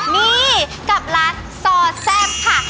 นี่กับร้านซอแซ่บค่ะ